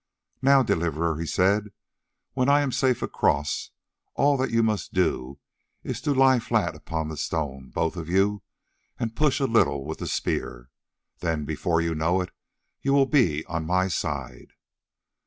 "Now, Deliverer," he said, "when I am safe across, all that you must do it to lie flat upon the stone, both of you, and to push a little with the spear. Then before you know it, you will be by my side."